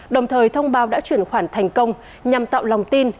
đồng thời thông báo đã chuyển khoản thành công nhằm tạo lòng tin